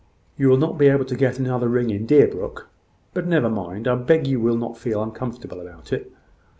"You will not be able to get another ring in Deerbrook. But never mind. I beg you will not feel uncomfortable about it.